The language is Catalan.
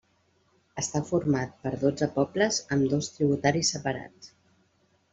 Està format per dotze pobles amb dos tributaris separats.